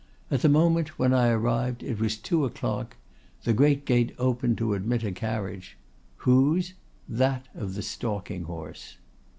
At the moment when I arrived it was two o'clock; the great gate opened to admit a carriage. Whose?—That of the stalking horse!